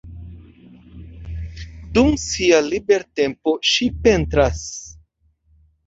Dum sia libertempo ŝi pentras.